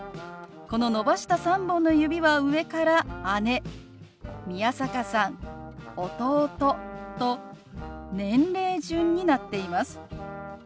この伸ばした３本の指は上から姉宮坂さん弟と年齢順になっています。